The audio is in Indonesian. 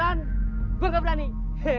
bediin gue kenapa lu takut sih